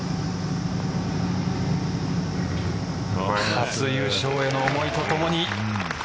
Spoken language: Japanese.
初優勝への思いとともに。